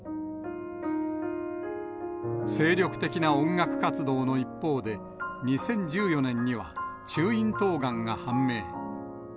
精力的な音楽活動の一方で、２０１４年には中咽頭がんが判明。